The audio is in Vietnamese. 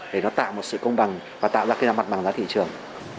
để nó tạo một sự công bằng và tạo ra cái mặt bằng giá thị trường